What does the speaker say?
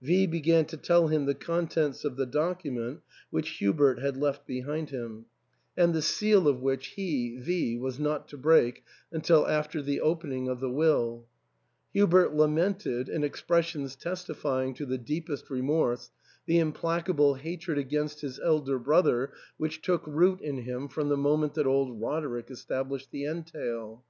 V began to tell him the contents of the document which Hubert had left behind him, and the 314 THE ENTAIL, seal of which he (V ) was not to break until after the opening of the will Hubert lamented, in expres sions testifying to the deepest remorse, the implacable hatred against his elder brother which took root in him from the moment that old Roderick established the en tail.